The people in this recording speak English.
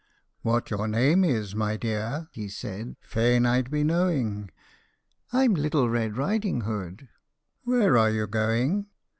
" What your name is, my dear," he said, " fain I 'd be knowing.' " I 'm Little Red Riding Hood." " Where are you going